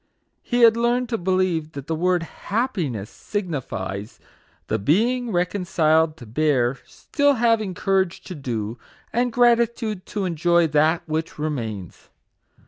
He had learned to believe that the word " hap piness" signifies, the being reconciled to bear, 10 MAGIC WORDS. still having courage to do, and gratitude to en joy that which remains.